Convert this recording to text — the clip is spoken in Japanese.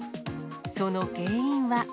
その原因は。